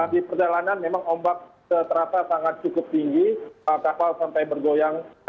di perjalanan memang ombak terasa sangat cukup tinggi kapal sampai bergoyang